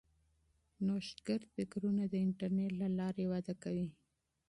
نوښتګر فکرونه د انټرنیټ له لارې وده کوي.